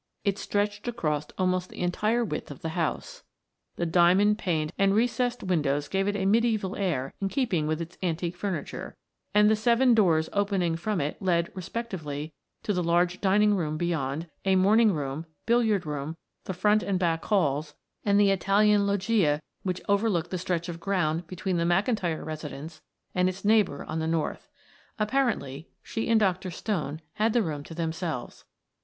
It stretched across almost the entire width of the house; the diamond paned and recessed windows gave it a medieval air in keeping with its antique furniture, and the seven doors opening from it led, respectively, to the large dining room beyond, a morning room, billiard room, the front and back halls, and the Italian loggia which over looked the stretch of ground between the McIntyre residence and its neighbor on the north. Apparently, she and Dr. Stone had the room to themselves.